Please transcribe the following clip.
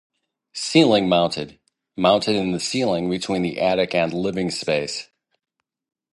Ceiling Mounted: Mounted in the ceiling between the attic and living space.